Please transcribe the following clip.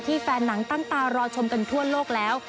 แฟนหนังตั้งตารอชมกันทั่วโลกแล้ว